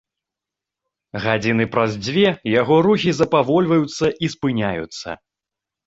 Гадзіны праз дзве яго рухі запавольваюцца і спыняюцца.